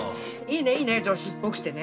いいね女子っぽくてね